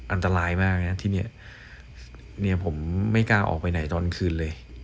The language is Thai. อันตรายมากนะที่เนี่ยผมไม่กล้าออกไปไหนตอนคืนเลย